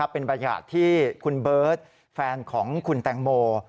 เป็นบรรยากาศที่คุณเบิร์ตแฟนของคุณแตงโม